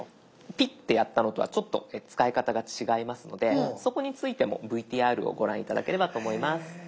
ピッてやったのとはちょっと使い方が違いますのでそこについてもＶＴＲをご覧頂ければと思います。